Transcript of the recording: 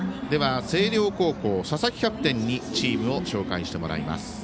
では、星稜高校佐々木キャプテンにチームを紹介してもらいます。